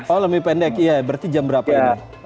oh lebih pendek iya berarti jam berapa ini